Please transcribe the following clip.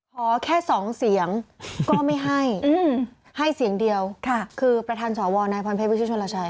ขอแค่๒เสียงก็ไม่ให้ให้เสียงเดียวคือประธานสวนายพรเพชรวิชิชนลชัย